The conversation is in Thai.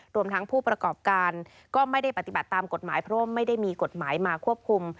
รวมทั้งผู้ประกอบการก็ไม่ได้ปฏิบัติตามกฎหมายเพราะว่าไม่ได้มีกฎหมายมาควบคุม